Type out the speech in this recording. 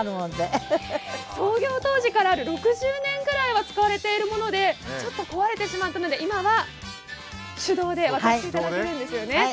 創業当時から６０年ぐらいは使われているもので、今はちょっと壊れてしまったので手動で渡していただけるんですよね。